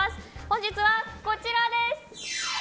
本日はこちらです。